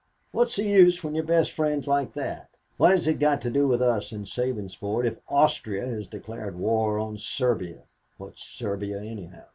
What's the use when your best friend's like that? What has it got to do with us in Sabinsport if Austria has declared war on Serbia what's Serbia anyhow?